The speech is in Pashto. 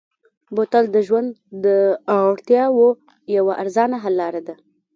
بوتل د ژوند د اړتیاوو یوه ارزانه حل لاره ده.